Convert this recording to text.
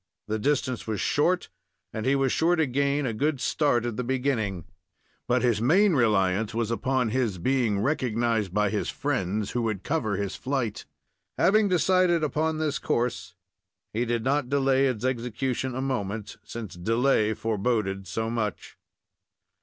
The distance was short, and he was sure to gain a good start at the beginning; but his main reliance was upon his being recognized by his friends, who would cover his flight. Having decided upon this course, he did not delay its execution a moment, since delay foreboded so much.